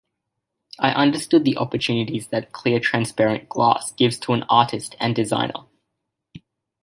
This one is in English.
I understood the opportunities that clear, transparent glass gives to an artist and designer.